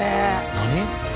何？